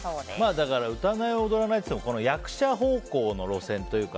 だから歌わない・踊らないといっても役者方向の路線というか